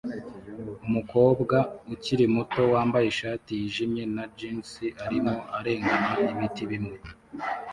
Umukobwa ukiri muto wambaye ishati yijimye na jans arimo arengana ibiti bimwe